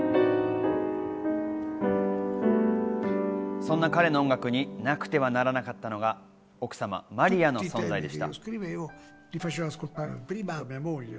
そんな彼の音楽になくてはならなかったのが、奥様・マリアの存在でした。